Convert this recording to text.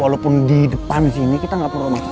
walaupun di depan sini kita nggak perlu masuk